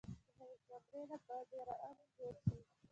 د هغې کمرې نه به ډېران جوړ شي